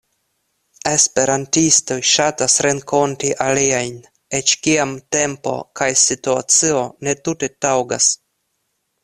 Esperantistoj ŝatas renkonti aliajn, eĉ kiam tempo kaj situacio ne tute taŭgas.